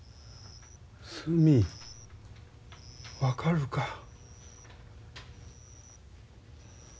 分かるか？